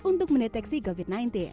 untuk mendeteksi covid sembilan belas